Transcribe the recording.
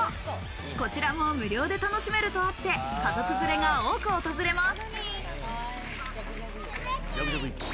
こちらも無料で楽しめるとあって、家族連れが多く訪れます。